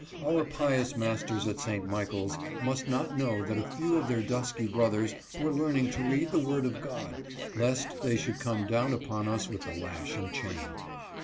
Our pious masters at St. Michaels must not know that a few of their dusky brothers were learning to read the Word of God, lest they should come down upon us with the lash and chain.